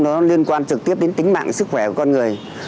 nó liên quan trực tiếp đến tính mạng sức khỏe của con người